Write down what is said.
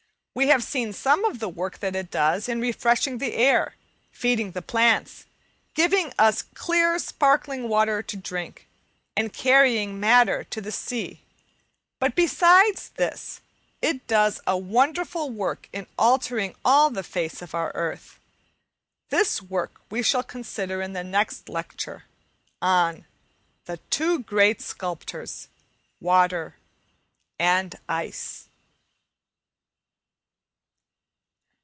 We have seen some of the work that it does, in refreshing the air, feeding the plants, giving us clear, sparkling water to drink, and carrying matter to the sea; but besides this, it does a wonderful work in altering all the face of our earth. This work we shall consider in the next lecture, on "The two great Sculptors Water and Ice."